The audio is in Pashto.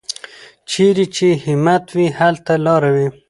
چېرې چې همت وي، هلته لاره وي.